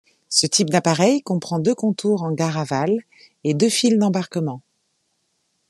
Ce type d'appareil comprend deux contours en gare aval, et deux files d'embarquement.